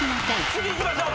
次いきましょう。